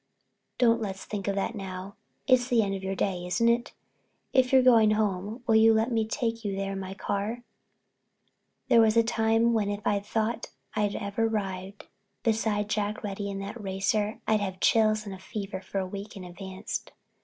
Don't let's think of that now. It's the end of your day, isn't it? If you're going home will you let me take you there in my car?" There was a time when if I'd thought I'd ever ride beside Jack Reddy in that racer I'd have had chills and fever for a week in advance.